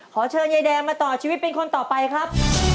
ขอเชิญยายแดงมาต่อชีวิตเป็นคนต่อไปครับ